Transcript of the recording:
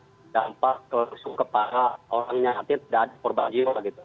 terdampak kerusuk kepala orang nyatir dan berbagi begitu